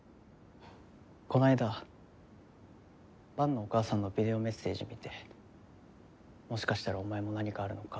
この間伴のお母さんのビデオメッセージ見てもしかしたらお前も何かあるのか？